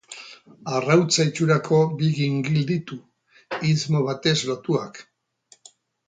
Arrautza itxurako bi gingil ditu, istmo batez lotuak.